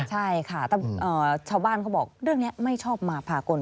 ใช่ค่ะแต่ชาวบ้านเขาบอกเรื่องนี้ไม่ชอบมาพากล